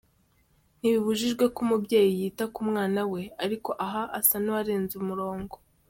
Ntibibujijwe ko umubyeyi yita ku mwana we ariko aha asa n’ uwarenze umurongo.